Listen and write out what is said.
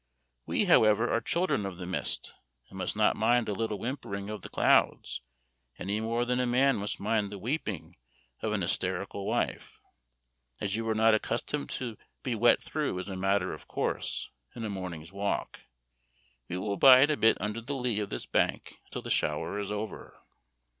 We, however, are children of the mist, and must not mind a little whimpering of the clouds any more than a man must mind the weeping of an hysterical wife. As you are not accustomed to be wet through, as a matter of course, in a morning's walk, we will bide a bit under the lee of this bank until the shower is over."